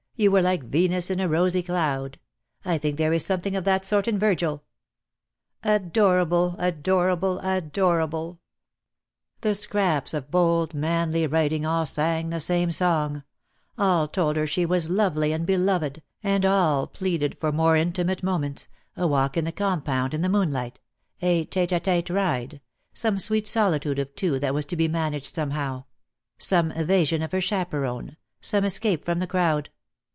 You were like Venus in a rosy cloud. I think there is something of that sort in Virgil." ' 2 20 DEAD LOVE HAS CHAINS. Adorable, adorable, adorable! The scraps of bold manly writing all sang the same song: all told her she was lovely and beloved, and all pleaded for more intimate moments — a walk in the com pound in the moonlight — a tete a tete ride — some sweet solitude of two that was to be managed some how; some evasion of her chaperon, some escape from the crowd.